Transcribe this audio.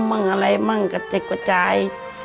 มันอะไรมันก็เจ็ดกว่าใจ